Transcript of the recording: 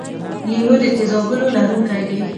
لیمو د تیزابونو لرونکی دی.